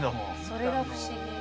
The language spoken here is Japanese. それが不思議。